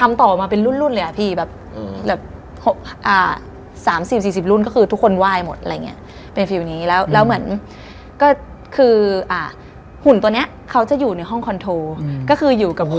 ไม่อยากนอนฉันจะกลับ